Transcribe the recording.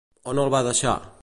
On el va deixar?